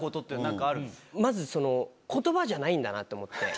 まず言葉じゃないんだなと思って。